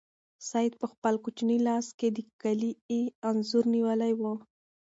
سعید په خپل کوچني لاس کې د کلي انځور نیولی و.